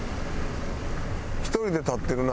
１人で立ってるな。